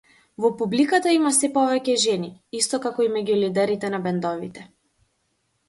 Во публиката има сѐ повеќе жени, исто како и меѓу лидерите на бендовите.